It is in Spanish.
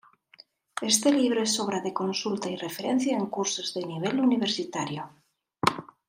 Este libro es obra de consulta y referencia en cursos de nivel universitario.